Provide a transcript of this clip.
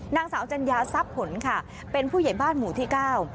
นางสาวจัญญาทรัพย์ผลค่ะเป็นผู้ใหญ่บ้านหมู่ที่เก้า